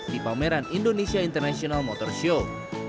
di pameran indonesia international motor show